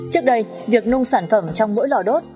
trước đây việc nung sản phẩm trong mỗi lò đốt